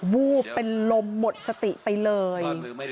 วูบเป็นลมหมดสติไปเลย